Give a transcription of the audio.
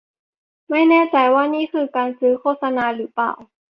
ไม่แน่ใจว่านี่คือการซื้อโฆษณาหรือเปล่า